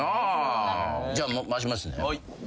じゃあ回しますね。